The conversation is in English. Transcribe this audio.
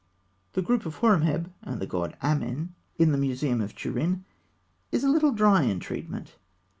The group of Horemheb and the god Amen (fig. 198), in the Museum of Turin, is a little dry in treatment.